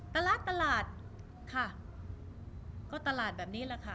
ตลาดตลาดค่ะก็ตลาดแบบนี้แหละค่ะ